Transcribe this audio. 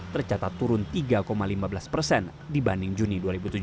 tercatat turun tiga lima belas persen dibanding juni dua ribu tujuh belas